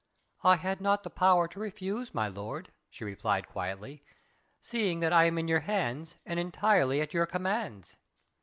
"I had not the power to refuse, my lord," she replied quietly, "seeing that I am in your hands and entirely at your commands."